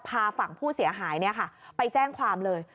พาฝั่งผู้เสียหายเนี่ยค่ะไปแจ้งความเลย